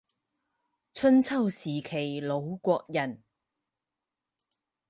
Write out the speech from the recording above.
春秋时期鲁国人。